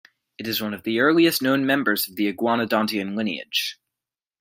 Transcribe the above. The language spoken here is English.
It is one of the earliest known members of the iguanodontian lineage.